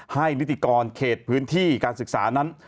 นิติกรเขตพื้นที่การศึกษานั้น